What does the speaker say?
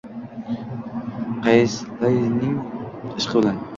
Qays Laylining ishqi bilan